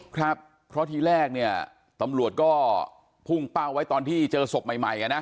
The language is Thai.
ครับเพราะทีแรกเนี่ยตำรวจก็พุ่งเป้าไว้ตอนที่เจอศพใหม่นะ